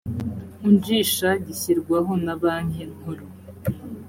unjisha gishyirwaho na banki nkuru